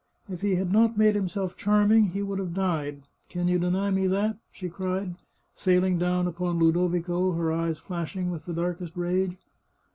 If he had not made himself charming he would have died ; can you deny me that ?" she cried, sailing down upon Ludovico, her eyes flashing with the darkest rage.